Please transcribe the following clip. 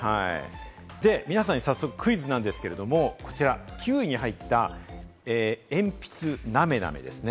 皆さんに早速クイズなんですけれども、こちら９位に入った、「鉛筆なめなめ」ですね。